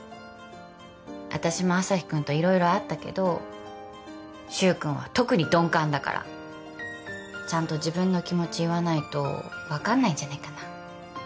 私も旭くんと色々あったけど柊くんは特に鈍感だからちゃんと自分の気持ち言わないと分かんないんじゃないかな